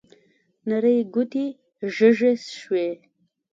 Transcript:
نرۍ ګوتې زیږې شوې